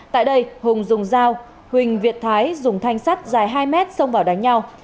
tại đây hùng dùng dao huỳnh việt thái dùng thanh sắt dài hai mét xông vào đánh nhau